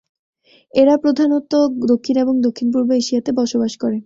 এরা প্রধানত দক্ষিণ এবং দক্ষিণ-পূর্ব এশিয়াতে বসবাস করে।